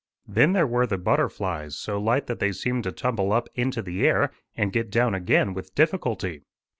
Then there were the butterflies, so light that they seemed to tumble up into the air, and get down again with difficulty.